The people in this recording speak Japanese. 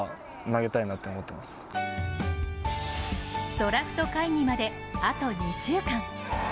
ドラフト会議まであと２週間。